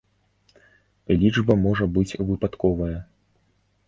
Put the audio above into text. Лічба можа быць выпадковая.